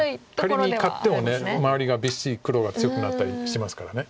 仮に勝っても周りがびっしり黒が強くなったりしますから。